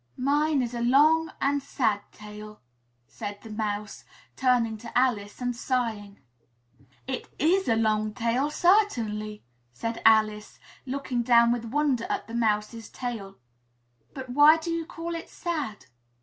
"Mine is a long and a sad tale!" said the Mouse, turning to Alice and sighing. "It is a long tail, certainly," said Alice, looking down with wonder at the Mouse's tail, "but why do you call it sad?"